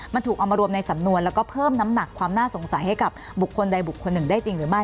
มันถูกเอามารวมในสำนวนแล้วก็เพิ่มน้ำหนักความน่าสงสัยให้กับบุคคลใดบุคคลหนึ่งได้จริงหรือไม่